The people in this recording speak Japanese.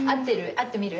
会ってみる？